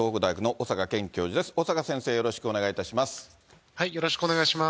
小坂先生、よろしくお願いいたします。